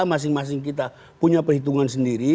masing masing kita punya perhitungan sendiri